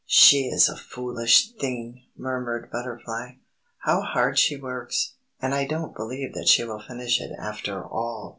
"She is a foolish thing!" murmured Butterfly. "How hard she works, and I don't believe that she will finish it after all!"